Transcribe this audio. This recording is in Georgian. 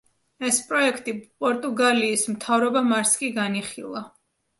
ეს პროექტი პორტუგალიის მთავრობამ არც კი განიხილა.